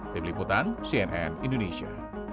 tim liputan cnn indonesia